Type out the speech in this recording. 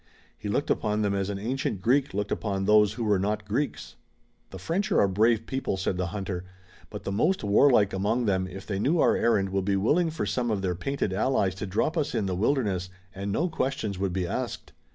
He looked upon them as an ancient Greek looked upon those who were not Greeks. "The French are a brave people," said the hunter, "but the most warlike among them if they knew our errand would be willing for some of their painted allies to drop us in the wilderness, and no questions would be asked.